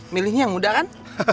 milih yang mudah kan